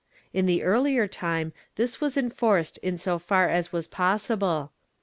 In the earlier time this was enforced in so far as was pos sible.